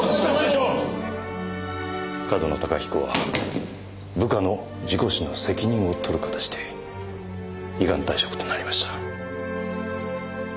上遠野隆彦は部下の事故死の責任を取る形で依願退職となりました。